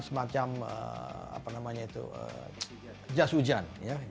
dan juga untuk menggunakan jas hujan